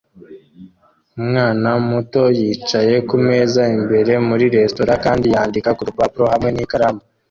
Umwana muto yicaye kumeza imbere muri resitora kandi yandika kurupapuro hamwe n'ikaramu